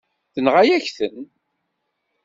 Tenɣa-yak-ten.